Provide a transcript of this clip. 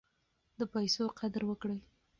د پیسو قدر وکړئ.